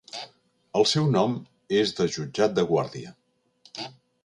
El seu nom és de jutjat de guàrdia.